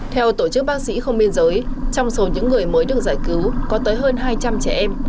theo tổ chức bác sĩ không biên giới trong số những người mới được giải cứu có tới hơn hai trăm linh trẻ em